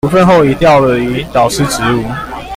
處分後已調離導師職務